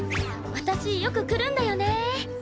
私よく来るんだよね。